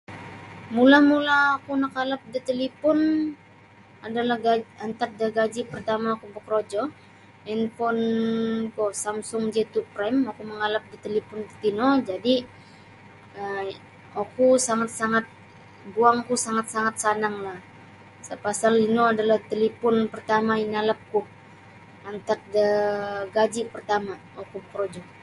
Mula-mula oku nakalap da talipon adalah gaji antad da gaji partamaku bokorojo hinponku samsung G2 Frame oku mangalap da talipon tatino oku sangat-sangat guangku sangat-sangat sananglah sa pasal ino talipon inalapku antad da gaji partama oku bokorojo.